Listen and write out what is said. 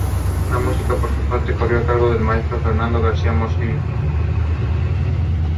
Por los cielos destaca la cigüeña, el buitre leonado o el alimoche, entre otros.